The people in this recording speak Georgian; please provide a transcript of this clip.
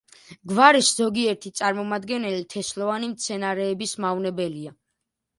გვარის ზოგიერთი წარმომადგენელი თესლოვანი მცენარეების მავნებელია.